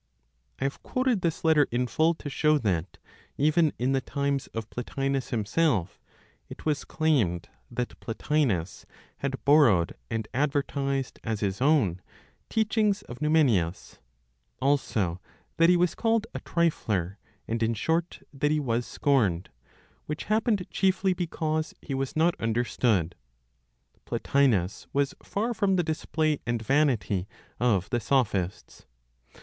I have quoted this letter in full to show that, even in the times of Plotinos himself, it was claimed that Plotinos had borrowed and advertised as his own teachings of Numenius; also that he was called a trifler, and in short that he was scorned which happened chiefly because he was not understood. Plotinos was far from the display and vanity of the Sophists.